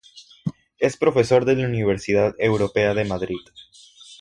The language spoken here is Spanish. Es profesor de la Universidad Europea de Madrid.